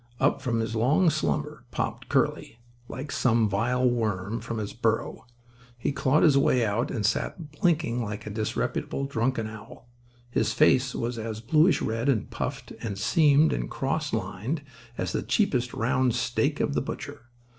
Up from his long slumber popped Curly, like some vile worm from its burrow. He clawed his way out and sat blinking like a disreputable, drunken owl. His face was as bluish red and puffed and seamed and cross lined as the cheapest round steak of the butcher.